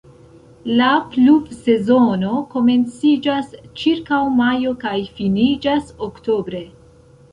La pluvsezono komenciĝas ĉirkaŭ majo kaj finiĝas oktobre.